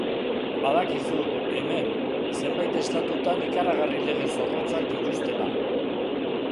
Badakizu, hemen, zenbait estatutan ikaragarri lege zorrotzak dituztela.